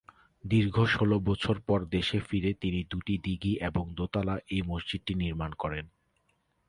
দীর্ঘ ষোল বছর পর দেশে ফিরে তিনি দু’টি দীঘি এবং দোতলা এই মসজিদটি নির্মাণ করেন।